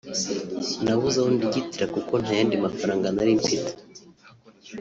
nabuze aho ndigitira kuko nta yandi mafaranga nari mfite